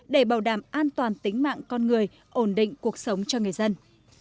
để bảo đảm an toàn tính mạng con người ổn định cuộc sống cho người dân